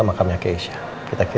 makasih ya kak